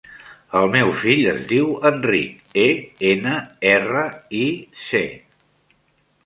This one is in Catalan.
El meu fill es diu Enric: e, ena, erra, i, ce.